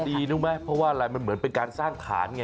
ดีรู้ไหมเพราะว่าอะไรมันเหมือนเป็นการสร้างฐานไง